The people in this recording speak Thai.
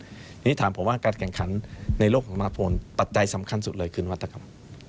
ทีนี้ถามผมว่าการแข่งขันในโลกของมาพลปัจจัยสำคัญสุดเลยคือนวัตกรรม